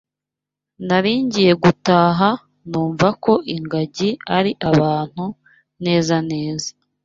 nari ngiye gutaha numva ko ingagi ari abantu neza neza.